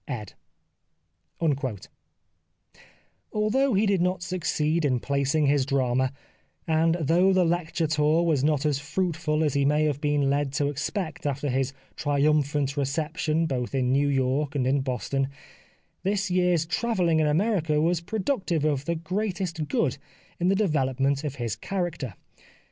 — Edr Although he did not succeed in placing his drama, and though the lecture tour was not as fruitful as he may have been led to expect after his triumphant reception both in New York and in Boston, this year's travelling in America was productive of the greatest good in the develop ment of his character.